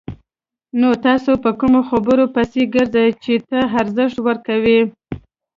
نو تاسو په کومو خبرو پسې ګرځئ! څه ته ارزښت ورکوئ؟